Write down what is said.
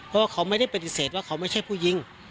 เพราะว่าเขาไม่ได้ปฏิเสธว่าเขาไม่ใช่ผู้ยิง